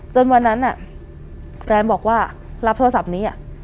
วันนั้นแฟนบอกว่ารับโทรศัพท์นี้